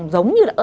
giống như là